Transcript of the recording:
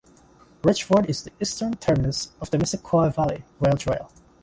Richford is the eastern terminus of the Missisquoi Valley Rail-Trail.